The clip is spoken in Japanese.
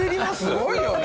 すごいよね！